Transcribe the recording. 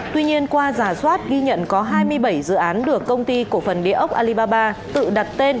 tuy nhiên qua giả soát ghi nhận có hai mươi bảy dự án được công ty cổ phần địa ốc alibaba tự đặt tên